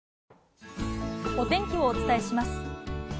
お天気をお伝えします。